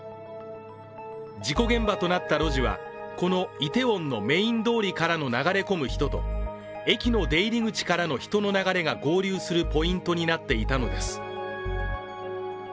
事故現場となった路地は、このイテウォンのメイン通りからの流れ込む人と駅の出入り口からの人の流れが合流するポイントになっていたのです。